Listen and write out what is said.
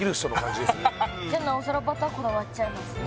じゃあなおさらバターこだわっちゃいますね